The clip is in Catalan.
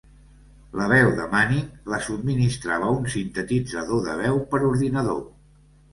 La veu de Manning la subministrava un sintetitzador de veu per ordinador.